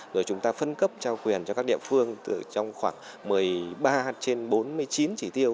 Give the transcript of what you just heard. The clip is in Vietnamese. rồi chúng ta phân cấp trao quyền cho các địa phương trong khoảng một mươi ba trên bốn mươi chín chỉ tiêu